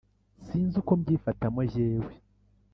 sinzi uko mbyifatamo jyewe